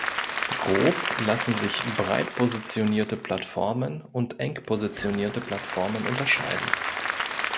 Grob lassen sich breit positionierte Plattformen und eng positionierte Plattformen unterscheiden.